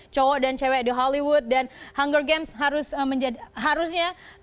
cowok dan cewek di hollywood dan hunger games harusnya